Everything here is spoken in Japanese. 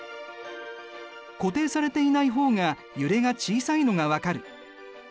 固定されていない方が揺れが小さいのが分かる。